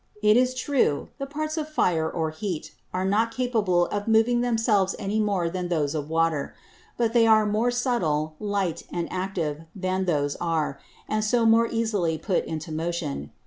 It is true, the Parts of Fire or Heat are not capable of moving themselves any more than those of Water; but they are more subtil, light, and active, than those are, and so more easily put into Motion.